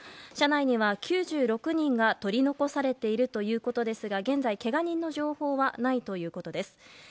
車内には９６人が取り残されているということですが現在、けが人の情報はないということです。